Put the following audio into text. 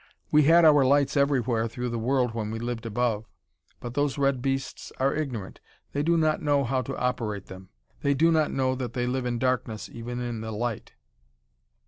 We had our lights everywhere through the world when we lived above, but those red beasts are ignorant; they do not know how to operate them; they do not know that they live in darkness even in the light."